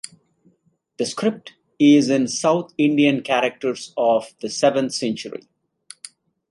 The script is in south Indian characters of the seventh century.